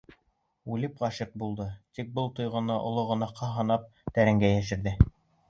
Үлеп ғашиҡ булды, тик был тойғоһон оло гонаһҡа һанап тәрәнгә йәшерҙе.